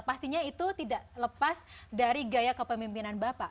pastinya itu tidak lepas dari gaya kepemimpinan bapak